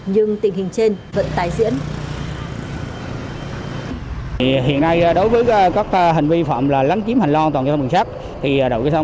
nhưng tình hình trên vẫn tái diễn